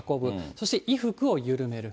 そして衣服を緩める。